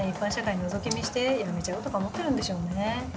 のぞき見して辞めちゃおうとか思ってるんでしょうね。